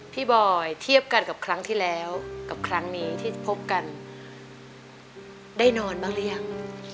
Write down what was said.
บอยเทียบกันกับครั้งที่แล้วกับครั้งนี้ที่พบกันได้นอนบ้างหรือยัง